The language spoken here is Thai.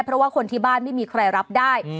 เพราะว่าคนที่บ้านไม่มีใครรับได้